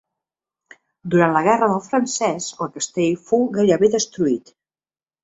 Durant la Guerra del Francès el castell fou gairebé destruït.